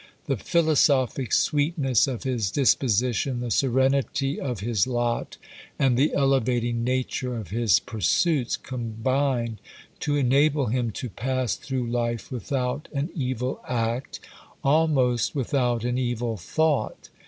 The philosophic sweetness of his disposition, the serenity of his lot, and the elevating nature of his pursuits, combined to enable him to pass through life without an evil act, almost without an evil thought.